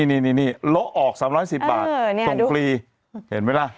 นี่โละออก๓๑๐บาทส่งฟรีเห็นไหมล่ะ